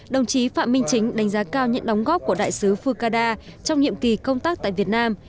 đồng chí phạm minh chính đánh giá cao những đóng góp của đại sứ fukada trong nhiệm kỳ công tác tại việt nam